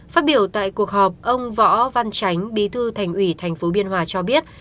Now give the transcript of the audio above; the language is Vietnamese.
phát biểu tại cuộc họp ông võ văn tránh bí thư thành ủy tp biên hòa cho biết